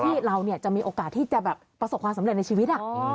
ที่เราจะมีโอกาสที่จะแบบประสบความสำเร็จในชีวิต